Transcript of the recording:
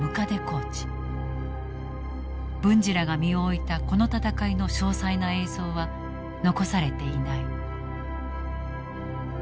文次らが身を置いたこの戦いの詳細な映像は残されていない。